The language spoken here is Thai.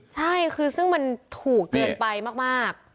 ใช่คือซึ่งมันถูกเกินไปมาก